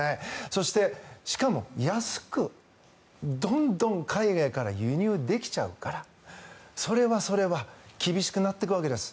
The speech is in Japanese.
そして、しかも安くどんどん海外から輸入できちゃうからそれはそれは厳しくなっていくわけです。